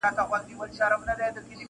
له غړومبي یې رېږدېدل هډ او رګونه -